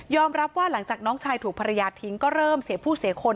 รับว่าหลังจากน้องชายถูกภรรยาทิ้งก็เริ่มเสียผู้เสียคน